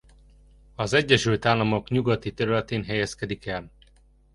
Az Egyesült Államok nyugati területén helyezkedik el.